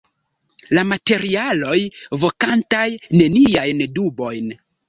La materialoj, vokantaj neniajn dubojn.